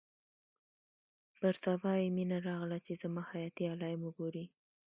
پر سبا يې مينه راغله چې زما حياتي علايم وګوري.